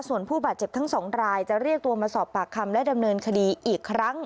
ส่วนผู้บาดเจ็บทั้งสองรายจะเรียกตัวมาสอบปากคำและดำเนินคดีอีกครั้ง